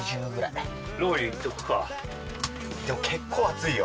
でも結構暑いよ。